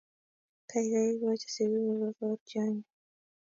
Gaigai, igochi sigiiguk kogotyonyu